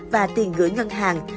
và tiền gửi ngân hàng